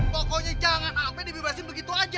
pokoknya jangan sampai dibebasin begitu aja